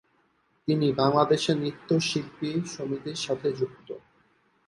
তিনি বাংলাদেশ নৃত্যশিল্পী সমিতির সাথে যুক্ত।